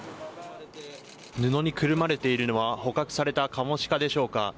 布にくるまれているのは捕獲されたカモシカでしょうか。